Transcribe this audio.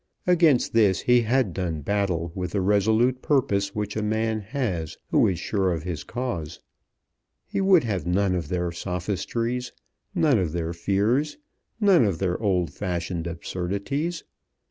Against this he had done battle with the resolute purpose which a man has who is sure of his cause. He would have none of their sophistries, none of their fears, none of their old fashioned absurdities.